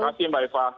terima kasih mbak eva